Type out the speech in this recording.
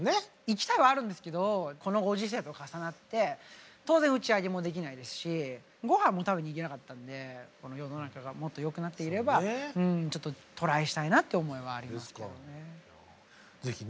行きたいはあるんですけどこのご時世と重なって当然打ち上げもできないですしごはんも食べに行けなかったので世の中がもっとよくなっていればちょっとトライしたいなって思いはありますけど。